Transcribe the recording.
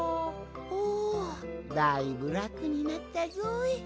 ほだいぶらくになったぞい！